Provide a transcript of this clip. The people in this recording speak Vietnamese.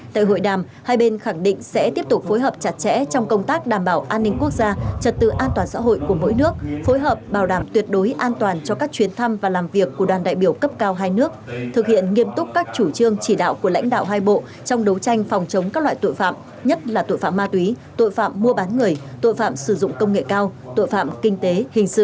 tại hội đàm hai bên khẳng định sẽ tiếp tục phối hợp chặt chẽ trong công tác đảm bảo an ninh quốc gia trật tự an toàn xã hội của mỗi nước phối hợp bảo đảm tuyệt đối an toàn cho các chuyến thăm và làm việc của đoàn đại biểu cấp cao hai nước thực hiện nghiêm túc các chủ trương chỉ đạo của lãnh đạo hai bộ trong đấu tranh phòng chống các loại tội phạm nhất là tội phạm ma túy tội phạm mua bán người tội phạm sử dụng công nghệ cao tội phạm kinh tế hình sự